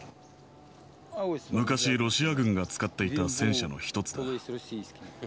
昔、ロシア軍が使っていた戦車の一つだ。